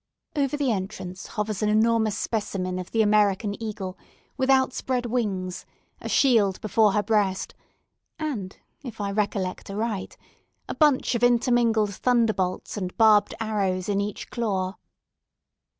Over the entrance hovers an enormous specimen of the American eagle, with outspread wings, a shield before her breast, and, if I recollect aright, a bunch of intermingled thunderbolts and barbed arrows in each claw.